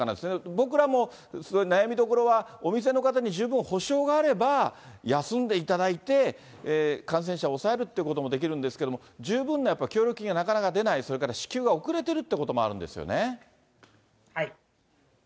僕らもすごい悩みどころは、お店の方に十分補償があれば休んでいただいて、感染者を抑えるっていうこともできるんですけれども、十分なやっぱ協力金がなかなか出ない、それから支給が遅れているっていうこともあるんですよね。